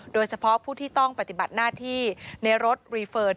โดยเฉพาะผู้ที่ต้องปฏิบัติหน้าที่ในรถรีเฟิร์น